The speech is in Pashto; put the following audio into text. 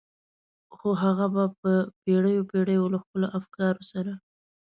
خو هغه به په پېړيو پېړيو له خپلو افکارو سره.